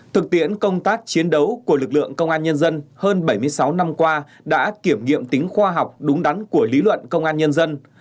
thực tiễn công tác chiến đấu của lực lượng công an nhân dân hơn bảy mươi sáu năm qua đã kiểm nghiệm tính khoa học đúng đắn của lý luận công an nhân dân